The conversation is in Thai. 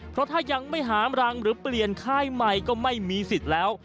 เพราะถ้ายังไม่หามรังหรือเปลี่ยนค่ายใหม่ก็ไม่มีสิทธิ์แล้ว